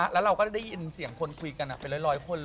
แล้วเราก็ได้ยินเสียงคนคุยกันเป็นร้อยคนเลย